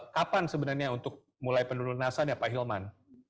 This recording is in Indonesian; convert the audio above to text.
kapan sebenarnya untuk mulai penelunasan ya pak hilman